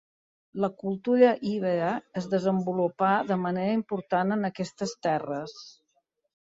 La cultura Ibera es desenvolupà de manera important en aquestes terres.